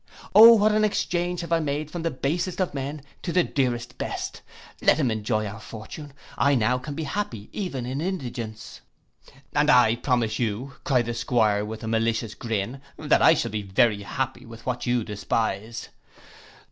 O what an exchange have I made from the basest of men to the dearest best!—Let him enjoy our fortune, I now can be happy even in indigence.'—'And I promise you,' cried the 'Squire, with a malicious grin, 'that I shall be very happy with what you despise.